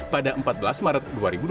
pada empat belas maret dua ribu dua puluh